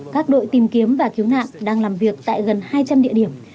các đội tìm kiếm và cứu nạn đang làm việc tại gần hai trăm linh địa điểm